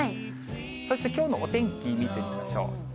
そしてきょうのお天気見てみましょう。